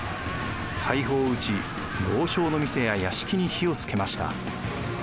大砲を撃ち豪商の店や屋敷に火をつけました。